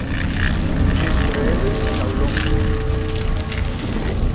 Entre eles Caulón.